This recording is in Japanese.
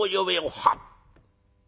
「はっ」。